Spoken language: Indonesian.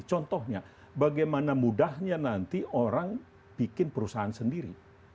contohnya bagaimana mudahnya nanti orang bikin perusahaan sendiri